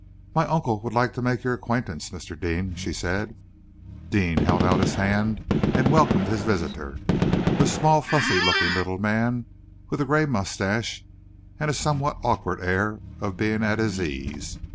"My uncle would like to make your acquaintance, Mr. Deane," she said. Deane held out his hand and welcomed his visitor a small, fussy looking little man with a gray moustache, and a somewhat awkward air of being at his ease.